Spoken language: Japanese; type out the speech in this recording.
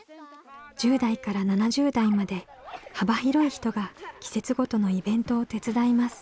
１０代から７０代まで幅広い人が季節ごとのイベントを手伝います。